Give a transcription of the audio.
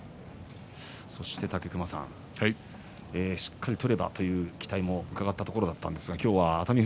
武隈さん、しっかり取ればという期待も伺ったところでしたが熱海